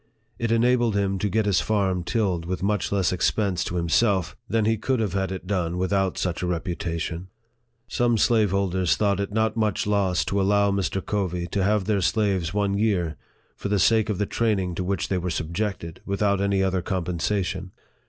It enabled him to get his farm tilled with much less expense to himself than he could have had it done without such a reputation. Some slaveholders thought it not much loss to allow Mr. Covey to have their slaves one year, for the sake of the training to which they were subjected, without any other compensation.